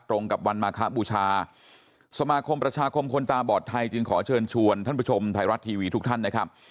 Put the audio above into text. ตรงกับวันมาคบูชาสมาคมประชาคมคนตาบอดไทยจึงขอเชิญชวนท่านผู้ชมไทยรัฐทีวีทุกท่านนะครับ